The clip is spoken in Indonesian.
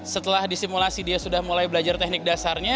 setelah disimulasi dia sudah mulai belajar teknik dasarnya